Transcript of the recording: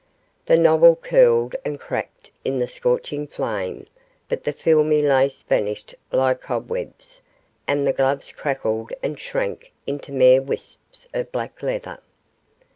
The novel curled and cracked in the scorching flame, but the filmy lace vanished like cobwebs, and the gloves crackled and shrank into mere wisps of black leather.